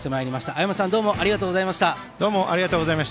青山さん、どうもありがとうございました。